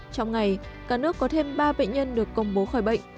trong ngày cả nước có thêm ba bệnh nhân được công bố khỏi bệnh